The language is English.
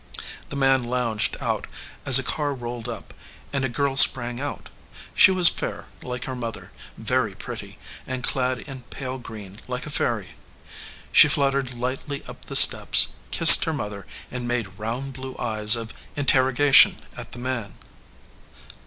The man lounged out as a car rolled up, and a girl sprang out. She was fair, like her mother, very pretty, and clad in pale green like a fairy. She fluttered lightly up the steps, kissed her mother, and made round blue eyes of interrogation at the man.